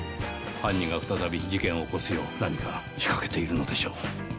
犯人が再び事件を起こすよう何か仕掛けているのでしょう。